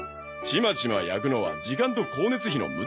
ちまちま焼くのは時間と光熱費の無駄だべ。